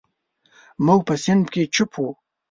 موږ په صنف کې چپ وو.